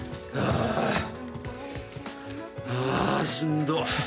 あしんど。